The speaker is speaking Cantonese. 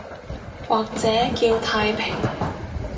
或者叫太平